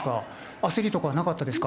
焦りとかなかったですか。